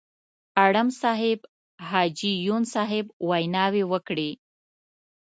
اړم صاحب، حاجي یون صاحب ویناوې وکړې.